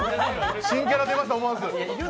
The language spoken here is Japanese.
新キャラ出ました、思わず。